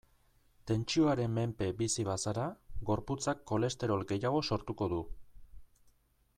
Tentsioaren menpe bizi bazara, gorputzak kolesterol gehiago sortuko du.